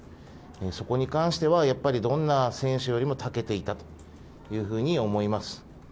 そこに関してはやっぱり、どんな選手よりもたけていたというふうに思います。